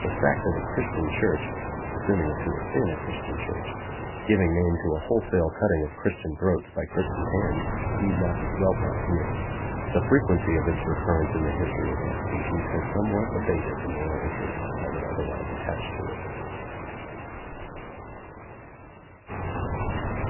The fact of a Christian church assuming it to have been a Christian church giving name to a wholesale cutting of Christian throats by Christian hands need not be dwelt on here; the frequency of its recurrence in the history of our species has somewhat abated the moral interest that would otherwise attach to it.